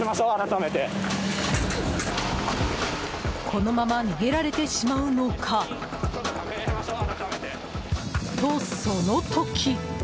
このまま逃げられてしまうのか？と、その時！